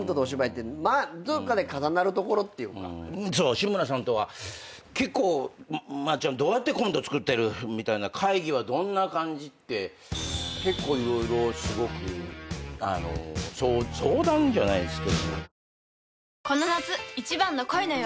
志村さんとは結構まっちゃんどうやってコント作ってる？みたいな会議はどんな感じって結構色々すごく相談じゃないですけど。